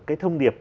cái thông điệp